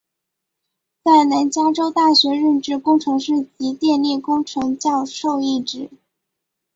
在南加州大学任职工程师及电力工程教授一职。